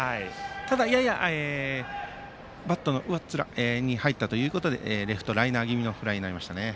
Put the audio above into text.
ただ、ややバットの上っ面に入ったということでライナー気味のレフトフライになりましたね。